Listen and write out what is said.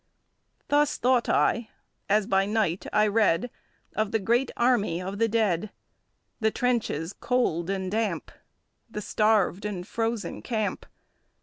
Thus thought I, as by night I read Of the great army of the dead, The trenches cold and damp, The starved and frozen camp.